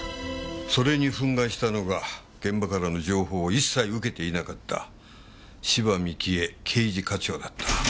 それに憤慨したのが現場からの情報を一切受けていなかった芝美紀江刑事課長だった。